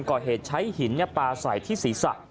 ก่อเหตุใช้หินปลาใส่ที่ศีรษะ